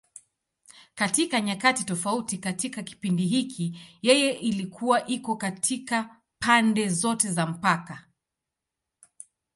Katika nyakati tofauti katika kipindi hiki, yeye ilikuwa iko katika pande zote za mpaka.